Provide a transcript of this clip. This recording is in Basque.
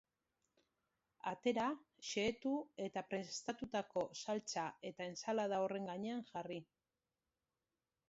Atera, xehetu, eta prestatutako saltsa eta enbtsalada horren gainean jarri.